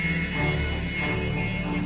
setelah aku sosok